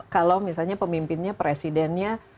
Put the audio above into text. kalau misalnya pemimpinnya presidennya